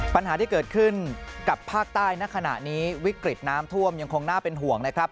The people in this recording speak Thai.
ปัญหาที่เกิดขึ้นกับภาคใต้ณขณะนี้วิกฤตน้ำท่วมยังคงน่าเป็นห่วงนะครับ